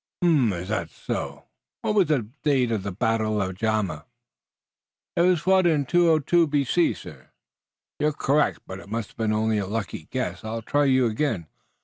"Um m. Is that so? What was the date of the battle of Zama?" "It was fought 202 B.C., sir." "You're correct, but it must have been only a lucky guess. I'll try you again.